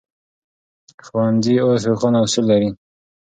ښوونځي اوس روښانه اصول لري.